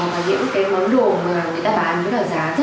hoặc những món đồ mà người ta bán với giá rất là cao